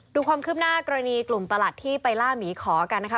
ดูความคืบหน้ากรณีกลุ่มประหลัดที่ไปล่าหมีขอกันนะคะ